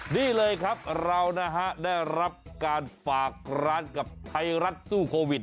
นี่เลยครับเรานะฮะได้รับการฝากร้านกับไทยรัฐสู้โควิด